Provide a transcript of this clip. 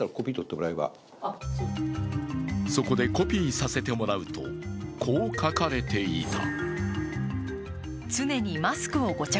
そこでコピーさせてもらうと、こう書かれていた。